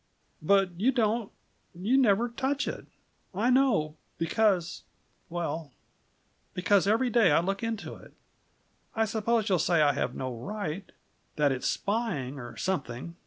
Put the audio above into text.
"But you don't you never touch it," she urged. "I know, because well, because every day I look into it! I suppose you'll say I have no right, that it's spying, or something.